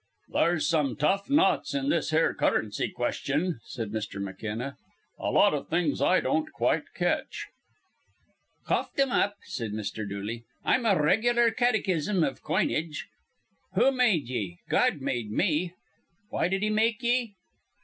"There's some tough knots in this here currency question," said Mr. McKenna. "A lot of things I don't quite catch." "Cough thim up," said Mr. Dooley. "I'm a reg'lar caddychism iv coinage. Who made ye? Gawd made me. Why did he make ye?